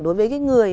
đối với cái người